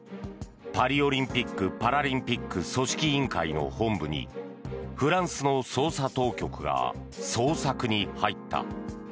パリオリンピック・パラリンピック組織委員会の本部にフランスの捜査当局が捜索に入った。